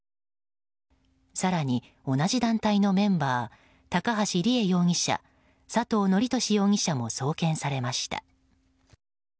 更に、同じ団体のメンバー高橋里衣容疑者佐藤徳寿容疑者も送検されました。